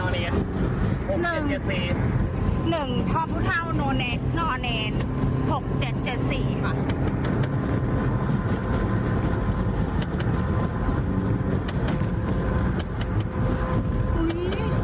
รุ่นเย็นตามต้นรุ่นเย็นตามแก้มเท้าใจ